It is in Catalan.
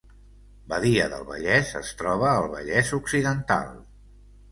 Badia del Vallès es troba al Vallès Occidental